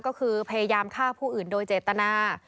ก็คือพยายามฆ่าผู้อื่นโดยเจตนา